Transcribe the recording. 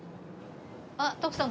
あっ徳さん